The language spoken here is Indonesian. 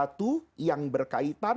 kalau yang belum disitukan